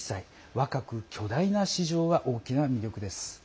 若く巨大な市場は大きな魅力です。